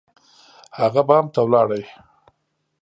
هغه بام ته لاړ.